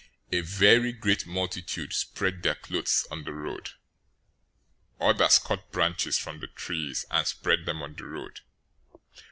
021:008 A very great multitude spread their clothes on the road. Others cut branches from the trees, and spread them on the road.